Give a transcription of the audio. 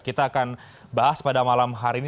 kita akan bahas pada malam hari ini